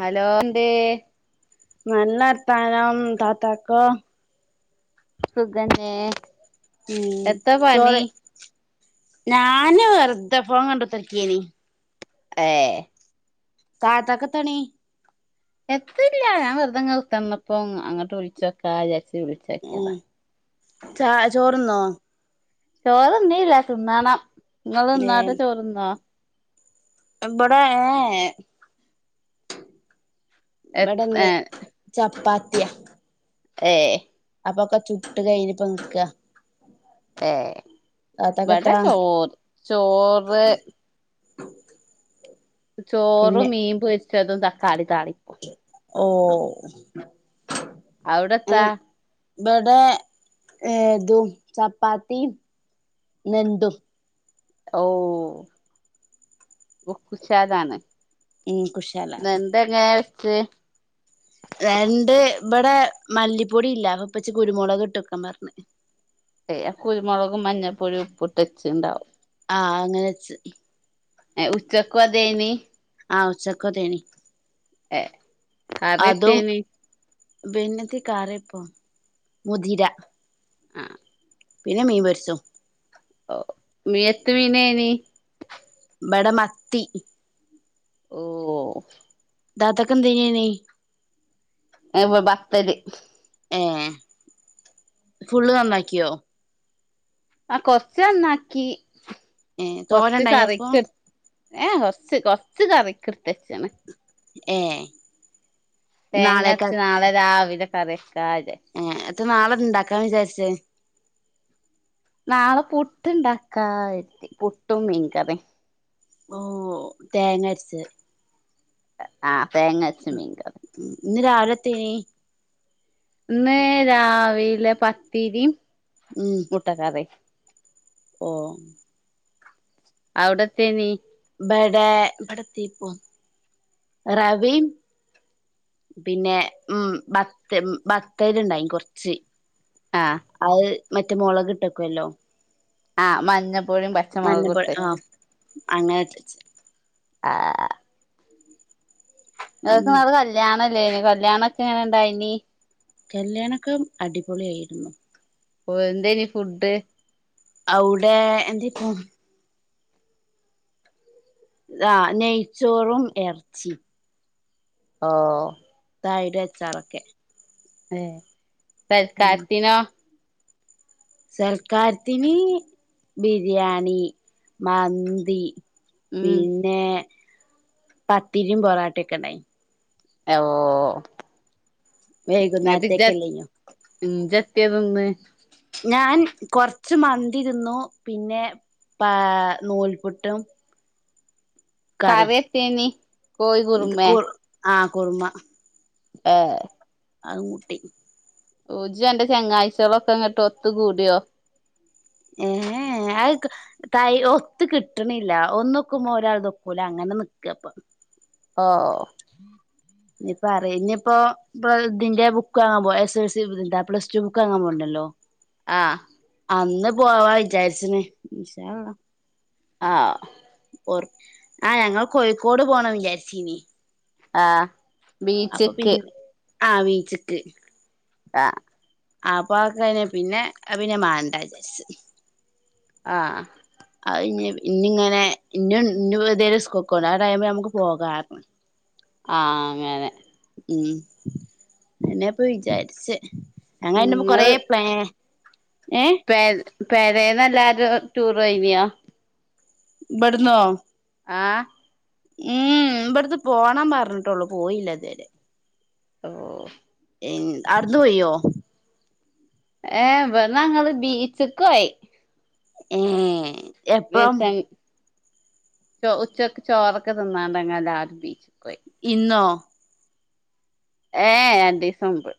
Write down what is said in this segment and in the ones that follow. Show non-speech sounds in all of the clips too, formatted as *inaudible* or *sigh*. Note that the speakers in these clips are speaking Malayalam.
ഹലോ എന്തേ നല്ലർത്താനം താത്താക്കോ? സുഖന്നേ ഉ ചേറ് ഞാന് വെറുതെ ഫോൺ കണ്ട് കുതിരികെനി. ഏ താതാക് എന്താ പണി. എത്തില്ല ഞാൻ വെറുതെ ഇങ്ങനെ കുതിരുന്നപ്പോ അങ്ങോട്ട് വിളിച്ചോക്കാവിചാരിച്ച്. ഇ ചാ ചോറ്ന്നോ. ചോറ് ന്നീല്ല. തിന്നണം നിങ്ങൾ ഏ തിന്നാത്ത ചോർന്നോ ഇബിടെ ഏ എ ഇവിടെന്ന് ഏ ചപ്പാത്തിയാ ഏ അപ്പൊക്കെ ചുട്ട് കഴിഞ്ഞിപ്പം നിക്ക. ഏ ഇവടെ താത്താക്കെത്താ ചോറ് ചോർ. ചോറും പിന്നെ മിൻ പൊരിച്ചതും തക്കാളി താളിപും. ഓ അവിടെത്താ ഇവിടെ ഏ ഇതും ചപ്പാത്തിയും നെണ്ടും. ഓ ഉഷാറാണ്. എനിക് ഉഷാല ഇതെങ്ങനെ വെച്ച്. ഞണ്ട് ഇവിടെ മല്ലിപ്പൊടി ഇല്ല അപ്പൊ ഇപ്പച്ചി കുരുമുളക് ഇട്ട് വെക്കാൻ പറഞ്ഞു. ഏ കുരുമുളകും, മഞ്ഞപ്പൊടിയും, ഉപ്പ്ട്ടെചിണ്ടാവും. ആ അങ്ങനെ വെച്. ഉച്ചക്കും അതേനി ആഹ് ഉച്ചക്ക് അതേനി ഏ അതും കറിയെത്തേനി പിന്നെന്താ കറിപ്പം മുതിര. ആ പിന്നെ മീൻ പൊരിച്ചതും ഓ മീ എത്ത മീനനി ബടമത്തി ഓ ദാതക്കെന്തേനി *unintelligible* ബത്തല് ഏ ഫുള്ള് നന്നാക്കിയോ ആ കൊറച്ച നണ്ണാക്കി ഏഹ് കൊറച്ച് തോരണ്ടായിനപ്പൊ കറിക്ക് ഏ കൊറച്ച് കൊറച്ച് കറിക്ക എടുത്തച്ചാണ് ഏ തേങ്ങച്ച നാളെ രാവിലെ കറിയക്കാെ ഏ അത്ര നാളെ ഉണ്ടാക്കാൻ വിചാരിച്ചേ നാളെ പുട്ടുണ്ടാക്കാത്തി പുട്ടും മീൻകറി ഓ തേങ്ങ അരച്ച ആഹ് തേങ്ങച്ച മീൻ ഇന്ന് രാവിലെത്തേനി ഇന്ന് രാവിലെ പത്തിരിയും ഉം മുട്ടക്കറി ഓ അവിടത്തേനി ബട റവി പിന്നെ ഉം ബത്ത ബത്തൽ ഉണ്ടായി കൊറച്ച് ആഹ് അത് മറ്റേ മുളക് കിട്ടക്കുവല്ലോ ആഹ് മഞ്ഞപ്പൊഴിയും പ മഞ്ഞപ്പോഴ ആഹ് അങ്ങനെ ആഹ് നിക്ക് കല്യാണല്ലേന് കല്യാണ ഒക്കെ ഇങ്ങനെ ഇണ്ടായി ഇനി കല്യാണക്കം അടിപൊളിയ ആയിരുന്നു ഓ എന്തനി ഫുഡ് ഔടെ എന്തേ പോ ആ നെയ്ച്ചോറും ഇറച്ചി ഓ തൈരു അച്ചാറൊക്കെ ഏ തൽകാത്തിനോ സൽക്കാർത്തിന് ബിരിയാണി മന്തി ഉം പിന്നെ പത്തിരിയും പൊറാട്ടൊക്കെ ഉണ്ടായി ഓ വൈകുന്നേരത്തേക്കല്ലോ ഉം ജത്തെതിന്ന് ഞാൻ കുറച്ച് മന്തിതിന്നു പിന്നെ പ നൂൽപുട്ടും കറിയെത്തനി ഇ ആഹ് കുറുമ ഏ അതും കുട്ടി ഓഹ് ജ്ജ് അന്റെ ചങ്ങായ്ച്ച്ളൊക്കെ ഇങ്ങട്ട ഒത്ത് കൂടിയോ? ഏഹ് അഅ്‌ ക്ക്‌ തൈ ഒത്ത് ക്ട്ട്ണില്ലാ ഒന്ന്ക്കുമ്പോ ഒരാൾത് ഒക്കൂലാ അങ്ങനെ ന്ന്ക്ക്‌ആപ്പൊ. ഓഹ്. ഇപ്പ അറീഞ്പ്പൊ പ്പ ഇതിന്റെ ബുക്ക് വാങ്ങാ പോ എസ് എൽ സി ഇ ന്താ പ്ലസ്റ്റൂ ബുക്ക് ആങ്ങാം പോവ്ണ്ടല്ലോ. ആഹ്. അന്ന് പോവാ വിചാര്ച്ച്ണ് ഇൻശാ അല്ലാഹ്. ആഹ്. ഓർ ആഹ് ഞങ്ങള് കോയ്ക്കോട് പോണം വിചാര്ച്ചീനി. ആഹ്. അപ്പൊ പിന്നെ ആഹ് വീച്ച്ക്ക്. ആഹ്. ആഹ് അപ്പോ അതൊക്കെ കയ്ഞ് പിന്നെ പിന്നെ മാണ്ടാചാര്ച്. ആഹ്. അഅ്‌ ഇഞ്ഞി ഇഞ്ഞിങ്ങനെ ഇഞ്ഞു *unintelligible* *unintelligible* ആ ടൈമ് ഞമ്മക്ക് പോകാ *unintelligible* ആഹ് അങ്ങനെ. ഉം അയേന്നെപ്പൊ വിചാര്ച്ച് *unintelligible* കൊറേ ഇങ്ങള് പ്ലാ ഏഹ്? പേ പേരേന്ന് എല്ലാരും ടൂറ് പൊയ്നിയോ? ബട്ന്നോ? ആഹ്. ഉം ഇബട്ന്ന് പോണം പർഞ്ട്ടോള്ളൂ പോയില്ല ഇതുവരേ. ഓഹ്. ഇൻ അർദു പോയോ? ഏഹ് ബട്ന്നങ്ങള് ബീച്ച്ക്കോയി. ഏഹ്. *unintelligible* ച്ചോ ഉച്ചക്ക് ചോറൊക്ക ത് ന്നാണ്ട്ങ്ങല്ലാരും ബീച്ച്കൊയി. ഇന്നോ? ഏഹ് രണ്ടീസം മുമ്പ്.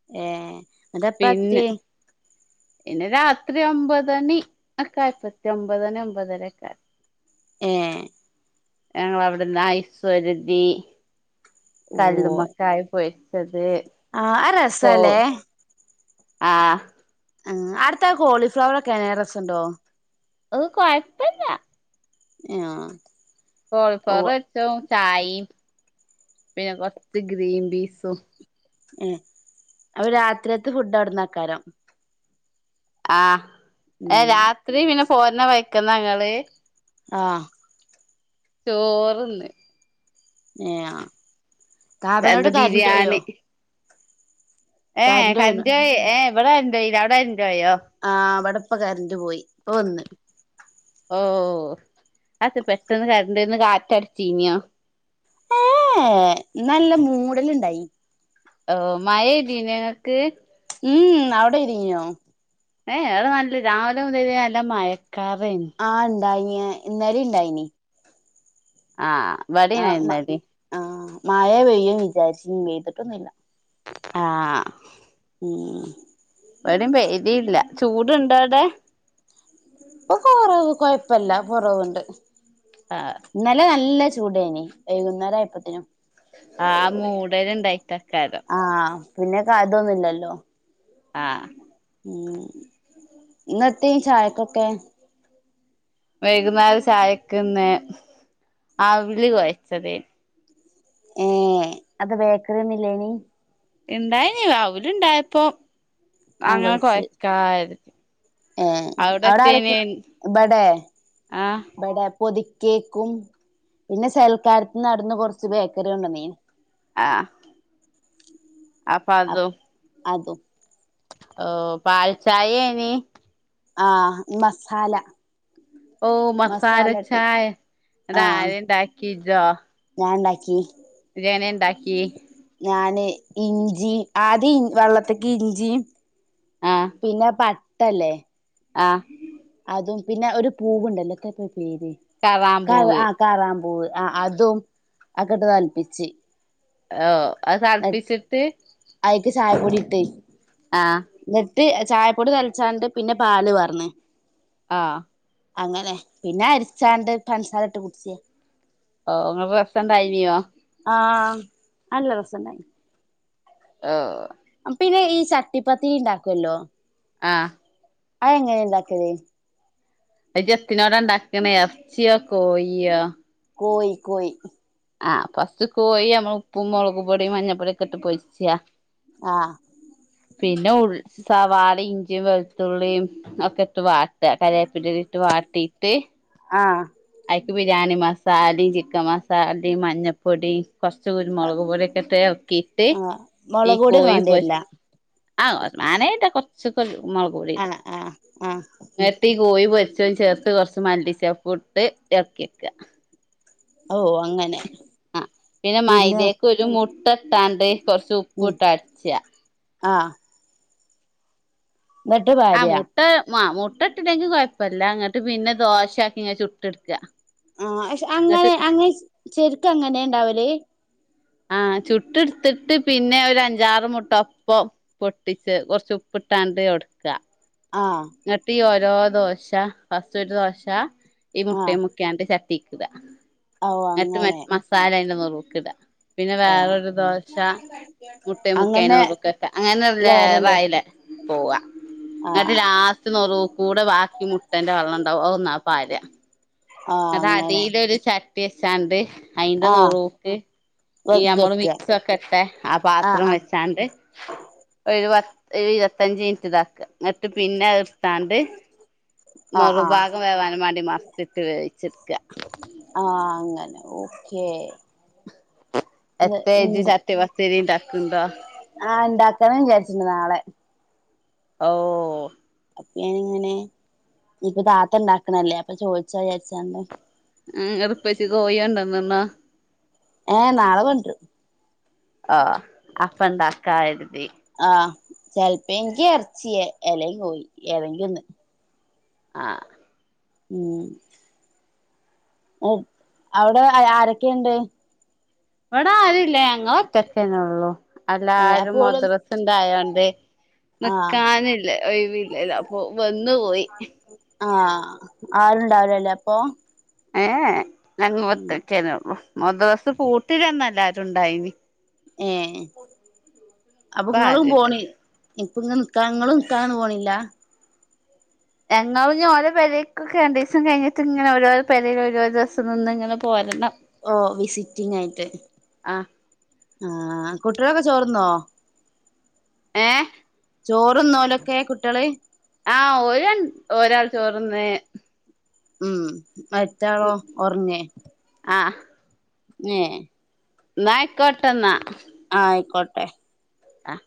ഏഹ്. പിന്നെ? പിന്നെ രാത്രി ഒമ്പതണി ഒക്കെ ആയപ്പത്ത് ഒമ്പതണി ഒമ്പതരൊക്കെ ആ ഏഹ്. ഞങ്ങളവ്ട്ന്ന് ഐസ്‌ ഒരതീ ഓ കല്ലുമ്മക്കായ പൊര്ച്ചത് ആഹ് അഅ്‌ രസാല്ലേ? ആഹ്. ആഹ് ആട്തെ കോളീഫ്ലവറക്കെങ്ങനേ രസണ്ടോ? ഓഹ് കൊയ്പ്പല്ല്യാ. ആഹ്. കോളിഫ്ലവറ് പൊര്ച്ചഉം ചായീം പിന്നെ കൊർച്ച് ഗ്രീൻബീസും. ഏഹ് അപ്പൊ രാത്രിയത്ത് ഫുഡ് അവ്ട്ന്നാക്കാരം. ആഹ്, ഏഹ് ഉം രാത്രി പിന്നെ പോര്ണ വയ്ക്കന്നങ്ങള് ആഹ്. ചോറിന്നെ ഏയാ അത് *unintelligible* കരന്റോയ്യോ ബിരിയാണി ഏഹ് പോയിണ് കരന്റോയി ഏഹ് ഇവിടെ കരന്റോയില്ല അവിടെ കരന്റോയോ ആഹ് ഇവട്പ്പ കരന്റ്പോയി ഇപ്പൊ വന്ന് ഓഹ് അതന്താ പെട്ടന്ന് കറന്റോയിന്ന് കാറ്റടിച്ചീനിയൊ ഏഹ് ഇന്ന് നല്ല മൂടലുണ്ടായി ഓഹ് മഴയില്ലെ നിങ്ങക്ക് ഉം അവിടെ ഇരിങ്ങിയൊ ഏയ് അത് നല്ല രാവിലെ മുതലേ നല്ല മയക്കാറേയ്നു ആഹ് ഇണ്ടായിനിയ ഇന്നലി ഇല്ലായിന് ആഹ് ഇവടേം ആഹ് ഇന്നലിം ആഹ് മയ പെയ്യും വിചാരിച്ച് പെയ്തിട്ടൊന്നുല്ല ആഹ് ഉം ഇവടിം പെയതില്ല ചൂടുണ്ടോ അവിടെ ഇപ്പൊ കൊറവ് കൊഴപ്പല്ല കൊറവുണ്ട്. ആഹ് ഇന്നലെ നല്ല ചൂടേനി വൈകുന്നേരം ആയപ്പത്തിനും ആഹ് മൂടൽ ഇണ്ടായിട്ടക്കാരം ആഹ് പിന്നെ കരണ്ടൊന്നുല്ലല്ലോ ആഹ് ഉം ഇന്നെത്തി ചായക്കൊക്കെ വൈകുന്നാരം ചായക്കിന്ന് അവില് കൊഴച്ചതേ ഏഹ് അതെന്ത ബേക്കറിയൊന്നില്ലേനി ഇണ്ടായിന് അവുൽ ഇണ്ടായപ്പോ ആഹ് അങ്ങനെ കൊഴച്ച് കൊഴക്കായത് ഏഹ് അവിടെ ആരക്കെ ബടെ ആഹ് ബടെ പൊതിക്കേക്കും പിന്നെ സൽക്കാരത്തിനട്ന്ന് കൊറച്ച് ബേക്കറി കൊണ്ടന്നീന് ആഹ് അപ്പ അതും അതും ഓഹ് പാൽച്ചായേനി ആഹ് ഈ മസാല ഓഹ് മസാലട്ടി മസാലച്ചായ ആഹ് അതാരാണ്ടാക്കി ഇജ്ജോ ഞാൻ ഇണ്ടാക്കി ഇജ്ജെങ്ങനെ ഇണ്ടാക്കി ഞാന് ഇഞ്ചി ആദ്യം വള്ളത്തിക്ക് ഇഞ്ചിയും ആഹ് പിന്നെ പട്ടല്ലേ ആഹ് അതും പിന്നെ ഒരു പൂവുണ്ടല്ലോ എത്താപ്പോ അയിന്റെ പേര് കറാമ്പൂവ് കറാ കറാംപൂവ് ആഹ് അതും അതക്കെട്ട് തളപ്പിച്ച് ഏഹ് അത് തളപ്പിച്ചിട്ട് അയിക്ക് ചായപ്പൊടിട്ട് ആഹ് എന്നിട്ട് ചായപ്പൊടി തളച്ചാണ്ട് പിന്നെ പാല് പാർന്ന് ആഹ് അങ്ങനെ പിന്നെ അരിച്ചാണ്ട് പൻസാരട്ട് കുടിച്ച് ഓഹ് ങ്ങക്ക് *unintelligible* ണ്ടായിനിയോ ആഹ് നല്ല രസണ്ടായിന് ആഹ് ഉം പിന്നെ ഈ ചട്ടിപ്പത്തിരി ഇണ്ടാക്കുവല്ലോ ആഹ് അയെങ്ങനെ ഇണ്ടാക്കല് ആഹ് ഇജെത്തിനോടണ്ടാക്കണ് എറച്ചിയോ കോഴിയോ കോയി കോയി ആഹ് ഫസ്റ്റ് കോയി നമ്മള് ഉപ്പും മുളകുമ്പൊടിയും മഞ്ഞപ്പൊടിയൊക്കെട്ട് പൊരിച്ചാ ആഹ് പിന്നെ ഉൾ സവാളെം ഇഞ്ചിയും വെളുത്തുള്ളിയും ഒക്കെ ഇട്ട് വാട്ട കരേപ്പിന്റലിട്ട് വാട്ടിയിട്ട് ആഹ് അയ്ക്ക് ബിരിയാണി മസാലിം ചിക്കൻ മസാലിം മഞ്ഞപ്പൊടിം കൊർച്ച്‌ കുരുമുളക് പൊടിയൊക്കെട്ട് എളക്കീട്ട് ആഹ് ഈ മുളക് പൊടിയൊന്നും കോയി പൊരി വേണ്ടിവരില്ല ആഹ് വാണെ ഇട്ട കുറച്ചൊക്കൊരു മൊള ആഹ് ആഹ് ആഹ് കൂട്ടി കോയി പൊരിച്ചയും ചേർത്ത് കൊറച്ച് മല്ലിച്ചെപ്പുട്ട് എറക്കിവെക്ക ഓഹ് ആഹ് പിന്നെ മൈദേക്ക് ഒരു മുട്ട ഇട്ടാണ്ട് കൊറച്ച് ഉപ്പ് ഉം ഇട്ട് അട്ച്ചാ ആഹ് എന്നിട്ട് ആഹ് വര്യ മുട്ട ആഹ് മുട്ട ഇട്ടില്ലെങ്കിൽ കുഴപ്പല്ല ഇങ്ങട്ട് പിന്നെ ദോശ ആക്കി ഇങ്ങനെ ചുട്ട് എടുക്കുക ആഹ് പക്ഷെ അങ്ങനെ അങ്ങനെ ശരിക്ക് അങ്ങനെ ഉണ്ടാവല് ആഹ് ചുട്ടെട്ത്തിട്ട് പിന്നെ ഒരു അഞ്ചാറ് മുട്ട ഒപ്പം പൊട്ടിച്ച് കൊറച്ച് ഉപ്പിട്ടാണ്ട് ഒടക്കുക ആഹ് ഇന്നട്ട് ഈ ഓരോ ദോശ ഫസ്റ്റ് ഒരു ദോശ ഈ ആഹ് മുട്ടയും മുക്ക്യാണ്ട് ചട്ടി ക്കിട ഓ ന്നട്ട് അങ്ങനെ മറ്റ് മസാലയ്ന്റെ നെറൂക്ക്ടാ പിന്നെ ആഹ് വേറൊരു ദോശ മുട്ടേ മുക്കി അങ്ങനെ അയ്ന്റെനെറൂക്കെക്ക അങ്ങനെ ഒരു ലെയറല്ലേ ലെയറായി ലെ പോവാ ന്നട്ട് ആഹ് ലാ സ്റ്റ് നെറൂകൂടെ ബാക്കി മുട്ടന്റെ വെള്ളം ഉണ്ടാവും അതൊന്നാ പാര ആഹ് അത് അങ്ങനെ അടീലൊരു ചട്ടി വെച്ചാണ്ട് അയിന്റെ ആഹ് നെറൂക്ക് ഈ വെന്ത് നമ്മള് വെക്കുക മിക്സ് ഒക്കെ ഇട്ടെ ആ ആഹ് പാത്രം ആഹ് വെച്ചാണ്ട് ഒരു പത്ത് ഇരുപത്തഞ്ച് മിനിറ്റ് ഇതാക്ക എന്നിട്ട് പിന്നെ അത് ഇട്ത്താണ്ട് ആഹ് നെറു ആഹ് ഭാഗം വേവാനും വേണ്ടി മറിച്ചിട്ട് വേവിച്ചെടുക്ക ആഹ് അങ്ങനെ ഓക്കേ എത്തേ ഇജ് ഇണ്ട് ചട്ടിപത്തിരി ണ്ടാക്ക്ണ്ടോ ആഹ് ഇണ്ടാക്കണംന്ന് വിചാരിച്ചിണ്ട് നാളെ ഓഹ് അപ്പ ഞാനിങ്ങനെ ഇനിയിപ്പം താത്ത ഇണ്ടാക്കണല്ലേ അപ്പൊ ചോദിച്ചാ വിചാരിച്ചാണ്ട് ആഹ് ങ്ങട് ഇപ്പച്ചി കോയി കൊണ്ടോന്ന്ന്നാ ഏഹ് നാളെ കൊണ്ടൊരും ആഹ് അപ്പണ്ടാക്ക കരുതി ആഹ് ചിലപ്പങ്കി എറച്ചി എല്ലങ്കി കോയി ഏതെങ്കി ഒന്ന് ആഹ് ഉം അവിടെ ആരൊക്കെയുണ്ട് ഇവിടെ ആരോല്ല ഞങ്ങളൊറ്റക്കെന്നൊള്ളൂ ഏഹ് എല്ലാരും അപ്പോ ഓല് മദ്ര സണ്ടായോണ്ടേ ആഹ് നിക്കാന് ല്ലേ ഒഴിവില്ലല്ലോ അപ്പൊ വന്നു പോയി ആ ആഹ് ആരുണ്ടാവുലല്ലേ അപ്പൊ ഏ ഉം ഞാനുംംമൂത്തച്ച്യന്നെ ഉള്ളു മദ്രസ് പൂട്ടില്ലന്ന് എല്ലാരും ഉണ്ടായിന് ഏ അപ്പൊ ഇപ്പ നിങ്ങളും ആരുല്ല പോണ ഇപ്പ നിക്കനിങ്ങൾനിക്കാനൊന്നും പോണില്ല ഞങ്ങള്ന്ന് പറഞ്ഞാ ഓരോ പെരേക്കൊക്കെ രണ്ടീസം കഴഞ്ഞിട്ട് ഇങ്ങനെ ഓരോ പെരേല് ഓരോരോ ദിവസം നിന്ന് ഇങ്ങനെ പോരണം ഓ വിസിറ്റിംഗ് ആയിട്ട് ആഹ് ആഹ് കുട്ടികളൊക്കെ ചോർന്നോ ഏഹ് ചോറ്ന്നോലൊക്കെ കുട്ടികള് ആഹ് ഓര് ഒരാൾ ചോർന്ന് ഉം മറ്റാളോ ഒറങ്ങേ ആഹ് ഏഹ് ന്നായികോട്ടന്നാ ആഹ് ആയിക്കോട്ടെ ആഹ്